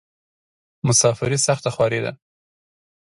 مسافري سخته خواری ده.